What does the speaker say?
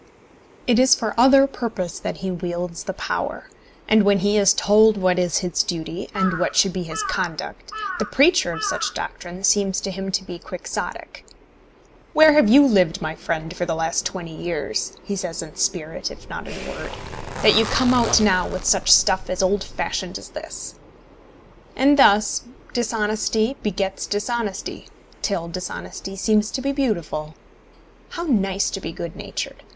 It is for other purpose that he wields the power; and when he is told what is his duty, and what should be his conduct, the preacher of such doctrine seems to him to be quixotic. "Where have you lived, my friend, for the last twenty years," he says in spirit, if not in word, "that you come out now with such stuff as old fashioned as this?" And thus dishonesty begets dishonesty, till dishonesty seems to be beautiful. How nice to be good natured!